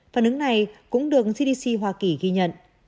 phản ứng này cũng được cdc hoa kỳ ghi nhận